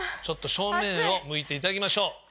ちょっと正面を向いていただきましょう。